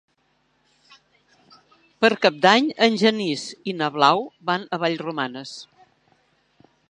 Per Cap d'Any en Genís i na Blau van a Vallromanes.